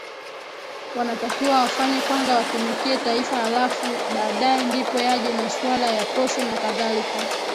wanatakiwa wafanye kwanza watumikie taifa alafu baadaye ndipo yaje masuala ya posho na kadhalika